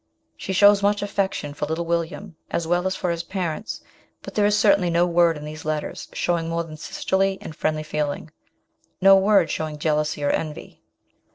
" She shows much affection for little William, as well as for his parents ; but there is certainly no word in these letters showing more than sisterly and friendly feeling ; no word showing jealousy or envy.